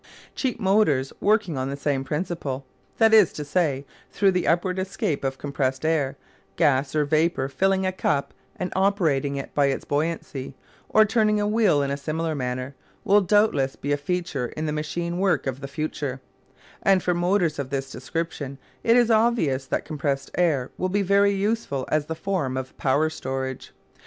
Cheap motors working on the same principle that is to say through the upward escape of compressed air, gas or vapour filling a cup and operating it by its buoyancy, or turning a wheel in a similar manner will doubtless be a feature in the machine work of the future; and for motors of this description it is obvious that compressed air will be very useful as the form of power storage.